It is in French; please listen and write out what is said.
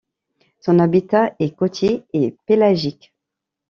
Son habitat est côtier et pélagique.